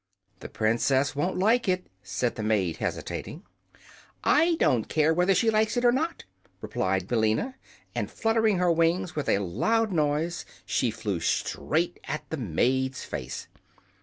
"The Princess won't like it," said the maid, hesitating. "I don't care whether she likes it or not," replied Billina, and fluttering her wings with a loud noise she flew straight at the maid's face.